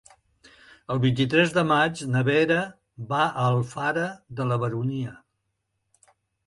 El vint-i-tres de maig na Vera va a Alfara de la Baronia.